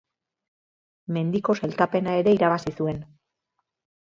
Mendiko sailkapena ere irabazi zuen.